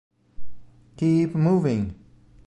Keep Moving